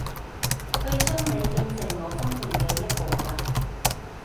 去將你變成我生命嘅一部份